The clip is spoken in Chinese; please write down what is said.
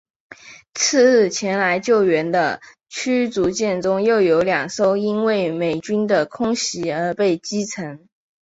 次日前来救援的驱逐舰中又有两艘因为美军的空袭而被击沉。